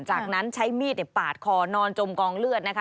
จากนั้นใช้มีดปาดคอนอนจมกองเลือดนะคะ